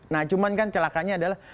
nah cuman kan celakanya adalah